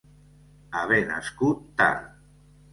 Haver nascut tard.